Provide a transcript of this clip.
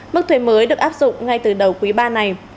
mức thuế mới được áp dụng ngay từ đầu quý ba này